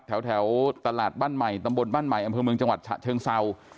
แถวตลาดบ้านใหม่ตำบลบ้านใหม่อำเภอเมืองจังหวัดฉะเชิงเศร้า